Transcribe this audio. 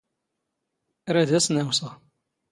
ⵔⴰⴷ ⴰⵙⵏ ⴰⵡⵙⵖ.